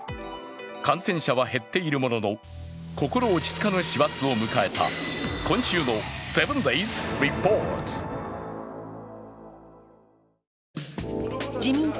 感染者は減っているものの心落ち着かぬ師走を迎えた今週の「７ｄａｙｓリポート」